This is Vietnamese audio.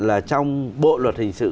là trong bộ luật hình sự